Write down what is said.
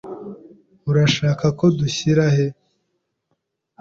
Urashaka ko dushyira he?